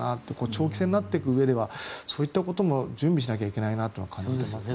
長期戦になっていくうえではそういったことの準備しなければいけないなという気がしますね。